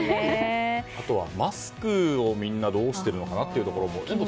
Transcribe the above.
あとはマスクをみんなどうしてるのかというところもね。